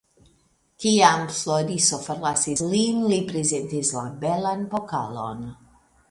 Kiam Floriso forlasis lin, li prezentis la belan pokalon.